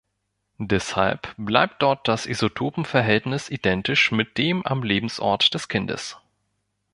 Deshalb bleibt dort das Isotopenverhältnis identisch mit dem am Lebensort des Kindes.